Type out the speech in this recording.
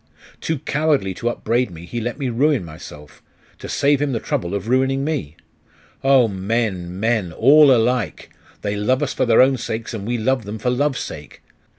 Too cowardly to upbraid me, he let me ruin myself, to save him the trouble of ruining me. Oh, men, men! all alike! They love us for their own sakes, and we love them for love's sake.